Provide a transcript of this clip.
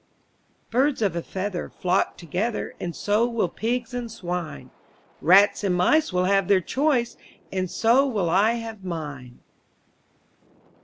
THIRDS of a feather flock together, ^ And so will pigs and swine; Rats and mice will have their choice, And so will I have mine.